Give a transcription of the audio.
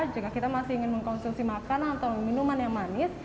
jika kita masih ingin mengkonsumsi makanan atau minuman yang manis